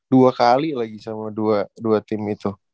dua kali lagi sama dua tim itu